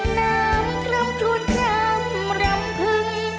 น้ำทรัพย์ทรวดทรัพย์รำพึง